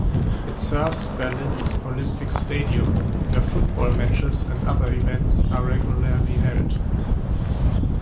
It serves Berlin's Olympic Stadium, where football matches and other events are regularly held.